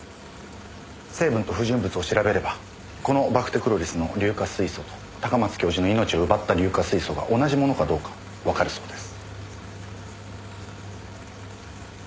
成分と不純物を調べればこのバクテクロリスの硫化水素と高松教授の命を奪った硫化水素が同じものかどうかわかるそうです。